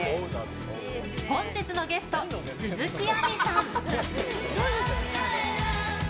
本日のゲスト、鈴木亜美さん。